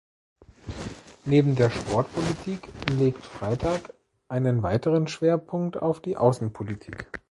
Neben der Sportpolitik legt Freitag einen weiteren Schwerpunkt auf die Außenpolitik.